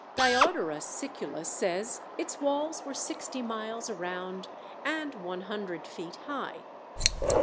Diodorus Siculus says its walls were sixty miles around and one hundred feet high.